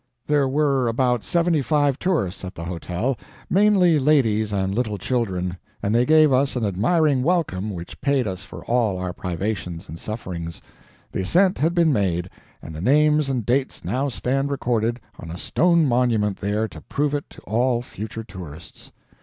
There were about seventy five tourists at the hotel mainly ladies and little children and they gave us an admiring welcome which paid us for all our privations and sufferings. The ascent had been made, and the names and dates now stand recorded on a stone monument there to prove it to all future tourists.